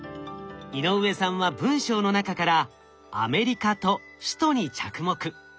井上さんは文章の中から「アメリカ」と「首都」に着目。